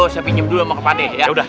saya pinjam dulu mau kepadanya udah